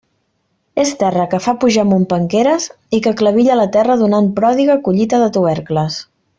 És terra que fa pujar amunt penqueres i que clevilla la terra donant pròdiga collita de tubercles.